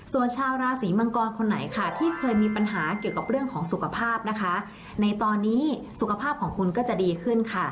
ส่วนชาวราศีมังกรคนไหนค่ะที่เคยมีปัญหาเกี่ยวกับเรื่องของสุขภาพนะคะในตอนนี้สุขภาพของคุณก็จะดีขึ้นค่ะ